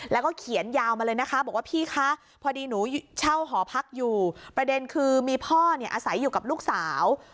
แล้วก็เขียนยาวมาเลยนะคะบอกว่าพี่คะพอดีหนูเช่าหอพักอยู่ประเด็นคือมีพ่อเนี่ยอาศัยอยู่กับลูกสาว